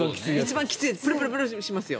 プルプルしますよ。